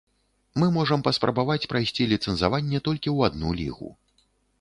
Мы можам паспрабаваць прайсці ліцэнзаванне толькі ў адну лігу.